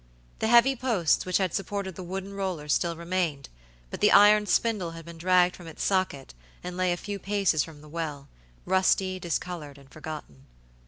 The heavy posts which had supported the wooden roller still remained, but the iron spindle had been dragged from its socket and lay a few paces from the well, rusty, discolored, and forgotten.